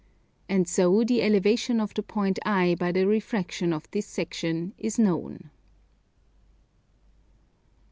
And so the elevation of the point I by the refraction of this section is known.